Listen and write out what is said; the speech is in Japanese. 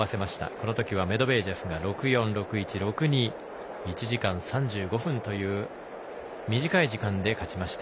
この時はメドベージェフが６−４、６−１６−２で１時間３５分という短い時間で勝ちました。